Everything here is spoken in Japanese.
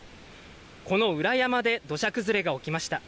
この裏山で土砂崩れが起きました。